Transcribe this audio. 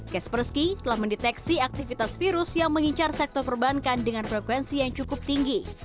kespersky telah mendeteksi aktivitas virus yang mengincar sektor perbankan dengan frekuensi yang cukup tinggi